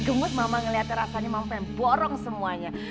gemut mama ngeliatnya rasanya mama yang borong semuanya